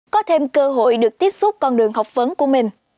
có thêm cơ hội được tiếp xúc con đường học vấn của mình